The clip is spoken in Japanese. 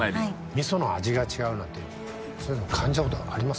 味噌の味が違うなんてそういうの感じたことあります？